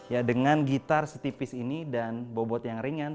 ya dengan gitar setipis ini dan bobot yang ringan